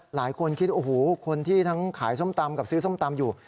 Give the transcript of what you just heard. หลายคนคิดโอ้โหคนที่ทั้งขายส้มตำกับซื้อส้มตำอยู่